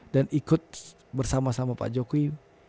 dan ikut bersama sama pak jokowi